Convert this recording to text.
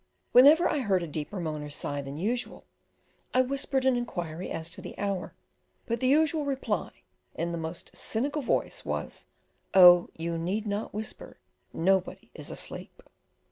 Whenever I heard a deeper moan or sigh than usual, I whispered an inquiry as to the hour, but the usual reply, in the most cynical voice, was, "Oh, you need not whisper, nobody is asleep."